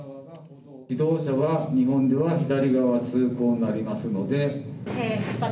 自動車は日本では左側通行になりますので。